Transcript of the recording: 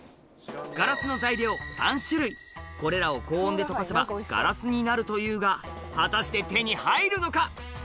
ガラスの材料３種類これらを高温で溶かせばガラスになるというが果たして手に入るのか？